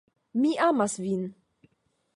Mi amas vin